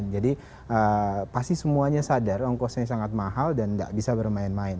jadi pasti semuanya sadar ongkosnya sangat mahal dan tidak bisa bermain main